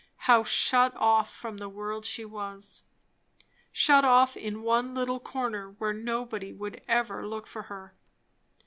How shut off from the world she was! shut off in one little corner where nobody would ever look for her.